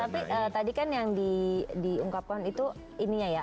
tapi tadi kan yang diungkapkan itu ininya ya